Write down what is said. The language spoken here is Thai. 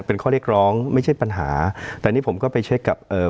เป็นข้อเรียกร้องไม่ใช่ปัญหาแต่นี่ผมก็ไปเช็คกับเอ่อ